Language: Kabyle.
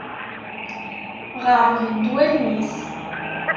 Ɣeṛṛbent wallen-is.